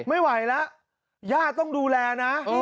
ไม่ไหวแล้วย่าต้องดูแลนะ